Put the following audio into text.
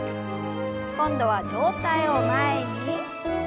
今度は上体を前に。